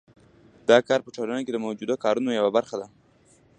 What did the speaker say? دا کار په ټولنه کې د موجودو کارونو یوه برخه ده